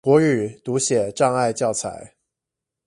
國語讀寫障礙教材